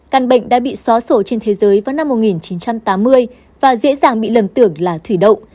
căn bệnh đã bị xóa sổ trên thế giới vào năm một nghìn chín trăm tám mươi và dễ dàng bị lầm tưởng là thủy đậu